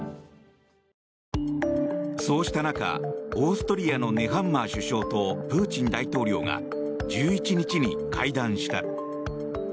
そうした中オーストリアのネハンマー首相とプーチン大統領が１１日に会談した。